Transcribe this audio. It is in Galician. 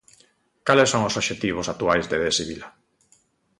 Cales son os obxectivos actuais de Desi Vila?